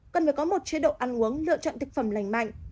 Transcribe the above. cần phải có một chế độ ăn uống lựa chọn thực phẩm lành mạnh